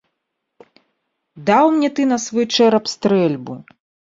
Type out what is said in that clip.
Даў мне ты на свой чэрап стрэльбу!